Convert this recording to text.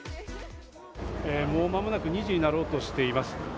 間もなく２時になろうとしています。